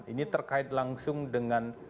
ini terkait langsung dengan